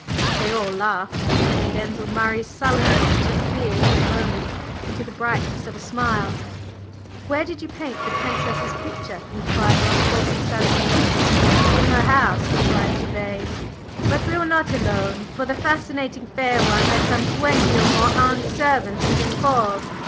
They all laughed, even Denzil Murray's sullen features cleared for the moment into the brightness of a smile. "Where did you paint the Princess's picture?" inquired Ross Courtney suddenly. "In her own house," replied Gervase. "But we were not alone, for the fascinating fair one had some twenty or more armed servants within call."